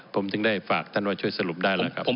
ผมถึงได้ฝากตัดการช่วยสรุได้แล้วครับ